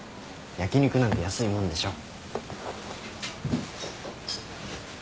焼き肉なんて安いもんでしょ。